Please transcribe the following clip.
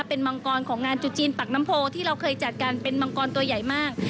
เป็นมังกรของงานจุดจีนปักน้ำโพที่เราเคยจัดกันเป็นมังกรตัวใหญ่มาก